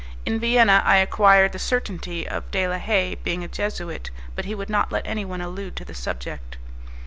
In Vienna I acquired the certainty of De la Haye being a Jesuit, but he would not let anyone allude to the subject.